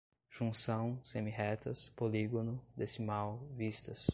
junção, semi-retas, polígono, decimal, vistas